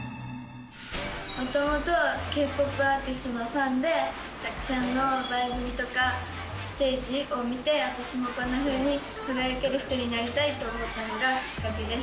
もともとＫ−ＰＯＰアーティストのファンで、たくさんの番組とか、ステージを見て、私もこんなふうに輝ける人になりたいと思ったのがきっかけです。